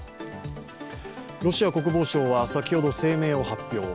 ロシア国防省は先ほど声明を発表。